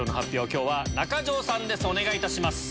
今日は中条さんお願いします。